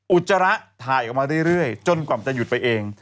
อุจจาระถ่ายออกมาเรื่อยจนกว่ามันจะหยุดไปเอง